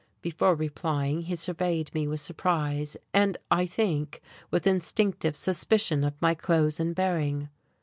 Before replying he surveyed me with surprise and, I think, with instinctive suspicion of my clothes and bearing.